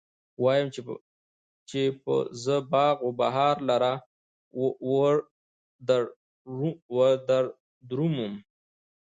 وايم، چې به زه باغ و بهار لره وردرومم